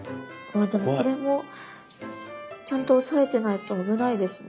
あでもこれもちゃんと押さえてないと危ないですね。